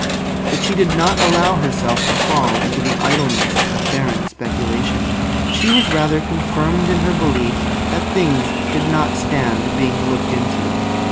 But she did not allow herself to fall into the idleness of barren speculation. She was rather confirmed in her belief that things did not stand being looked into.